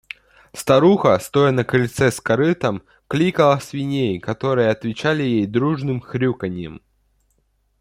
Старуха, стоя на крыльце с корытом, кликала свиней, которые отвечали ей дружелюбным хрюканьем.